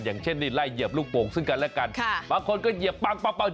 อย่างเช่นนี่ไล่เหยียบลูกโป่งซึ่งกันและกันบางคนก็เหยียบปั้ง